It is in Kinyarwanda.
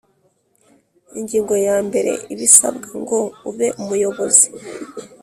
Ingingo ya mbere Ibisabwa ngo ube umuyobozi